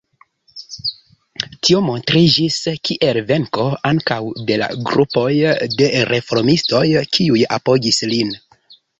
Tio montriĝis kiel venko ankaŭ de la grupoj de reformistoj kiuj apogis lin.